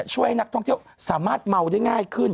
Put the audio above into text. ช่วยนักท่องเที่ยวสามารถเมาได้ง่ายขึ้น